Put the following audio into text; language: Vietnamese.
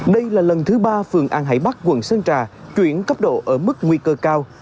đây là lần thứ ba phường an hải bắc quận sơn trà chuyển cấp độ ở mức nguy cơ cao